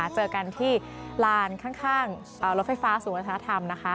เจอกันที่ลานข้างรถไฟฟ้าศูนย์วัฒนธรรมนะคะ